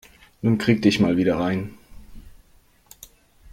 Nun krieg dich mal wieder ein.